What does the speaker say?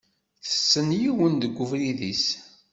Tessen yiwen deg ubrid-is.